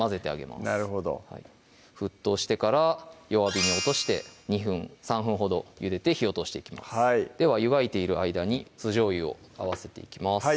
なるほど沸騰してから弱火に落として２分・３分ほどゆでて火を通していきますでは湯がいている間に酢じょうゆを合わせていきます